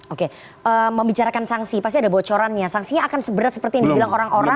oke membicarakan sanksi pasti ada bocorannya sanksinya akan seberat seperti yang dibilang orang orang